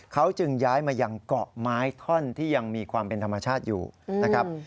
เขาจึงย้ายมายังเกาะไม้ท่อนที่ยังมีความเป็นธรรมชาติอยู่นะครับ